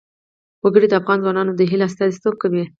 وګړي د افغان ځوانانو د هیلو استازیتوب کوي.